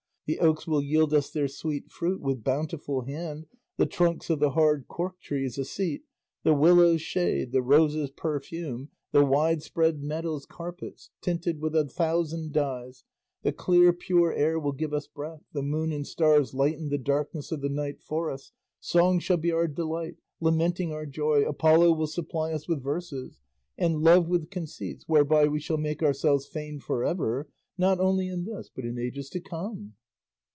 The oaks will yield us their sweet fruit with bountiful hand, the trunks of the hard cork trees a seat, the willows shade, the roses perfume, the widespread meadows carpets tinted with a thousand dyes; the clear pure air will give us breath, the moon and stars lighten the darkness of the night for us, song shall be our delight, lamenting our joy, Apollo will supply us with verses, and love with conceits whereby we shall make ourselves famed for ever, not only in this but in ages to come."